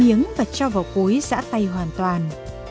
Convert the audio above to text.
miếng và cho vào cối giã tay hoàn toàn